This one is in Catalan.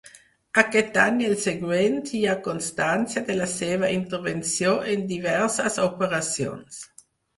Aquest any i el següent hi ha constància de la seva intervenció en diverses operacions.